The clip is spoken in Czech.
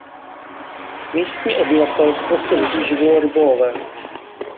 Místní obyvatelstvo se vždy živilo rybolovem.